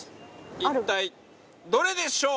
一体、どれでしょう？